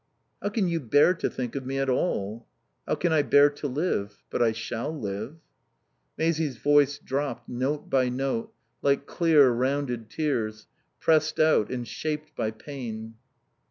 "How can you bear to think of me at all?" "How can I bear to live? But I shall live." Maisie's voice dropped, note by note, like clear, rounded tears, pressed out and shaped by pain.